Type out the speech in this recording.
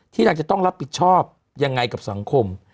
นางจะต้องรับผิดชอบยังไงกับสังคม